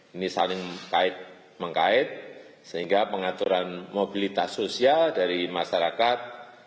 ini saling mengkait sehingga pengaturan mobilitas sosial dari masyarakat